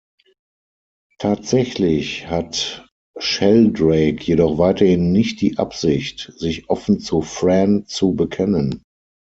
Tatsächlich hat Sheldrake jedoch weiterhin nicht die Absicht, sich offen zu Fran zu bekennen.